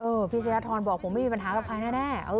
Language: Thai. พี่ชายธรบอกผมไม่มีปัญหากับใครแน่